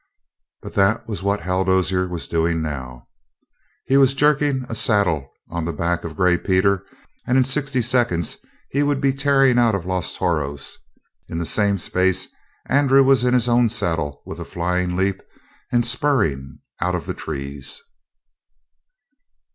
But that was what Hal Dozier was doing now. He was jerking a saddle on the back of Gray Peter, and in sixty seconds he would be tearing out of Los Toros. In the same space Andrew was in his own saddle with a flying leap and spurring out of the trees.